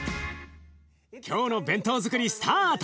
今日の弁当づくりスタート！